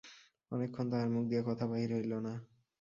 অনেকক্ষণ তাহার মুখ দিয়া কথা বাহির হইল না।